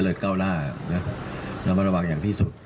เราระวังอย่างที่สุด